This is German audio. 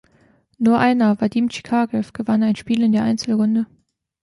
Nur einer, Vadim Chikarev, gewann ein Spiel in der Einzelrunde.